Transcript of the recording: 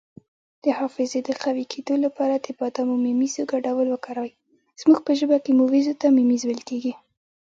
د حافظې د قوي کیدو لپاره د بادام او مویزو ګډول وکاروئ